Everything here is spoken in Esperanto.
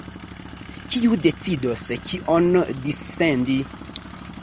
Kiu decidos kion dissendi?